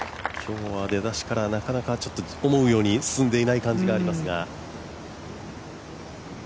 今日は出だしからなかなか思うように進んでいない感じがありますが。